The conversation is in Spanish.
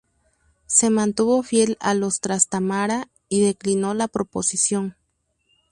Se mantuvo fiel a los Trastámara y declinó la proposición.